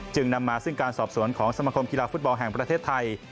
นำมาซึ่งการสอบสวนของสมคมกีฬาฟุตบอลแห่งประเทศไทย